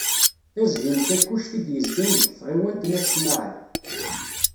Tiẓgi n Takkuct i d-yezgan deg tɣiwant n At Smaεel.